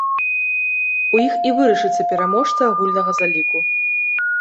У іх і вырашыцца пераможца агульнага заліку.